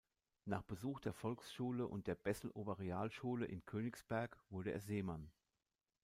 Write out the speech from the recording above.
Nach Besuch der Volksschule und der Bessel-Oberrealschule in Königsberg wurde er Seemann.